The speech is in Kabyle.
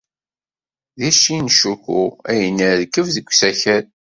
Deg Shinjuku ay nerkeb deg usakal.